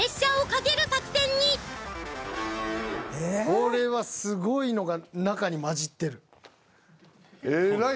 これはすごいのが中に交じってる。